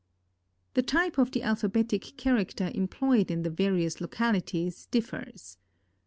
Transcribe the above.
The type of the alphabetic character employed in the various localities differs.